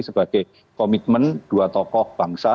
sebagai komitmen dua tokoh bangsa